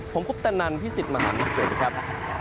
ผมพุทธนันทร์พิศิษฐ์มหาวิทยาลัยสวัสดีครับ